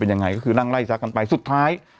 นั่งไล่ซักกันไปสุดท้าย